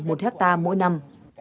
một hecta mỗi năm